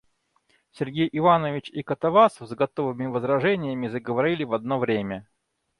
Сергей Иванович и Катавасов с готовыми возражениями заговорили в одно время.